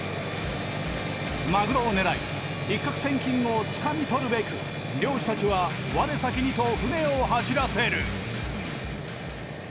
マグロを狙い一獲千金をつかみ取るべく漁師たちは我先にと船を走らせる。